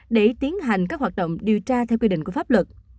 để tiến hành các hoạt động điều tra theo quy định của pháp luật